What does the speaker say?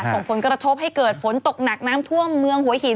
ส่งผลกระทบให้เกิดฝนตกหนักน้ำท่วมเมืองหัวหิน